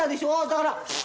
だから。